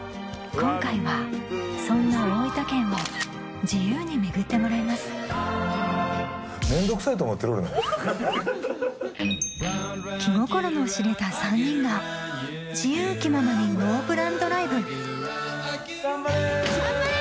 今回はそんな大分県を自由に巡ってもらいます気心の知れた３人が自由気ままにノープランドライブ・頑張れ！